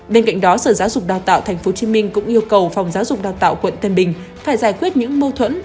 bên cạnh đó sở giáo dục đào tạo tp hcm cũng yêu cầu phòng giáo dục đào tạo quận tân bình phải giải quyết những mâu thuẫn